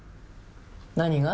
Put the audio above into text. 何が？